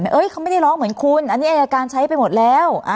เขาไม่ได้ร้องเหมือนคุณอันนี้อายการใช้ไปหมดแล้ว